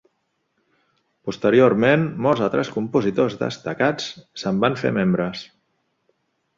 Posteriorment, molts altres compositors destacats se'n van fer membres.